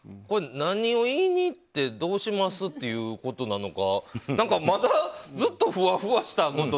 何を言いにいってどうしますってことなのかまたずっと、ふわふわした。